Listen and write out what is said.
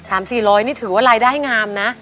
สี่ร้อยนี่ถือว่ารายได้งามนะ